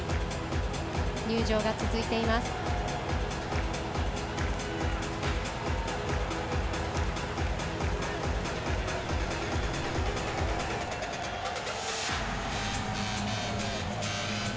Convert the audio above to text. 入場が続いています。